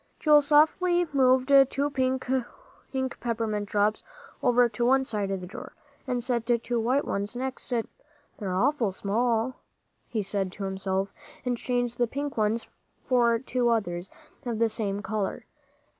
Joel softly moved two pink peppermint drops over to one side of the drawer, and set two white ones next to them. "They're awful small," he said to himself, and changed the pink ones for two others of the same color.